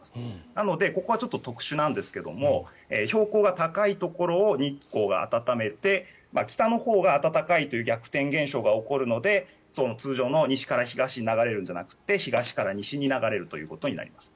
なのでここは特殊なんですが標高が高いところを日光が暖めて北のほうが暖かいという逆転現象が起こるので通常の西から東に流れるんじゃなくて東から西に流れるということになります。